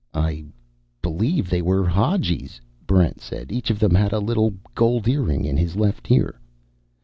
"I believe they were Hadjis," Barrent said. "Each of them had a little gold earring in his left ear."